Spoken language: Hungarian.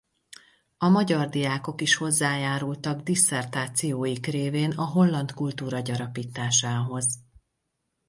A magyar diákok is hozzájárultak disszertációik révén a holland kultúra gyarapításához.